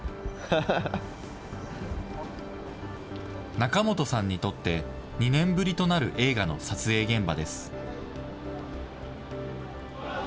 中元さんにとって、２年ぶりとなる映画の撮影現場です。